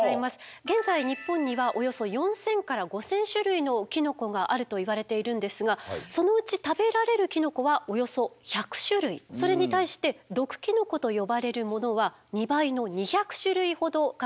現在日本にはおよそ４，０００から５，０００種類のキノコがあるといわれているんですがそのうち食べられるキノコはおよそ１００種類それに対して毒キノコと呼ばれるものは２倍の２００種類ほど確認されています。